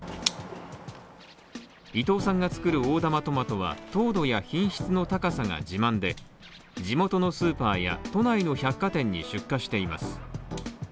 伊藤さんが作る大玉トマトは糖度や品質の高さが自慢で、地元のスーパーや都内の百貨店に出荷しています。